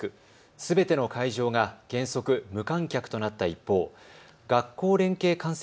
すべての会場が原則、無観客となった一方、学校連携観戦